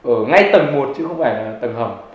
ở ngay tầng một chứ không phải là tầng hầm